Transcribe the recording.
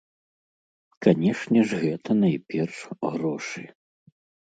Канешне ж гэта, найперш, грошы.